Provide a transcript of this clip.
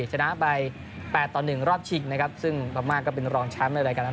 ชนะไป๘ต่อ๑รอบชิงนะครับซึ่งพม่าก็เป็นรองแชมป์ในรายการนั้น